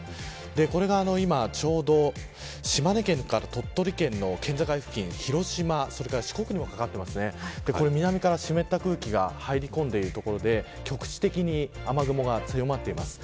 これがちょうど島根県から鳥取県の県境付近広島、四国にもかかっていて南から湿った空気が入り込んでいる所で局地的に雨雲が強まっています。